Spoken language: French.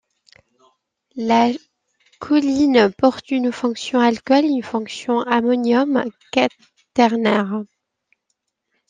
La choline porte une fonction alcool et une fonction ammonium quaternaire.